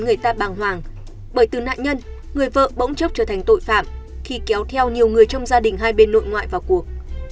người vợ bỗng chốc trở thành tội phạm khi kéo theo nhiều người trong gia đình hai bên nội ngoại vào cuộc